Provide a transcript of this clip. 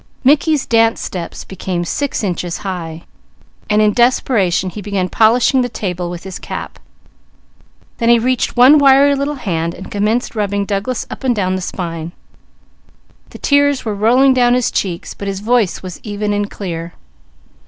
Mickey's dance steps became six inches high, while in desperation he began polishing the table with his cap. Then he reached a wiry hand and commenced rubbing Douglas up and down the spine. The tears were rolling down his cheeks, but his voice was even and clear.